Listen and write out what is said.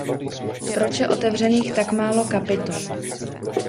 Proč je otevřených tak málo kapitol?